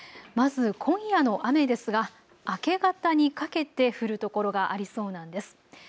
まず今夜の雨ですが明け方にかけて降るところがありそうなんです。